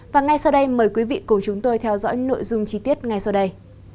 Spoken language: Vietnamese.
và ngay sau đây mời quý vị cùng chúng tôi theo dõi nội dung chi tiết ngay sau đây